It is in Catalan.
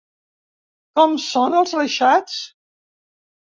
Com són els reixats?